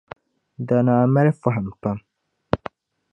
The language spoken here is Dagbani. Danaa mali fahim pam